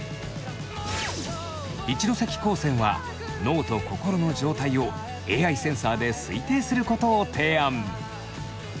一関高専は脳と心の状態をＡＩセンサーで推定することを提案。